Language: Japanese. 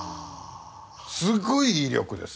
すごい威力です。